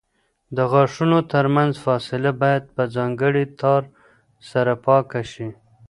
د غاښونو ترمنځ فاصله باید په ځانګړي تار سره پاکه شي.